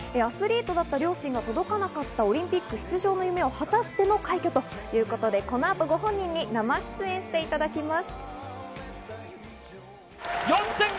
アスリートだった両親が届かなかったオリンピック出場の夢を果たしての快挙ということでこのあと、ご本人に生出演していただきます。